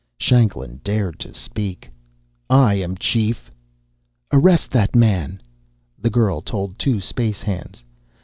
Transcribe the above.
Shanklin dared to speak: "I am chief " "Arrest that man," the girl told two space hands.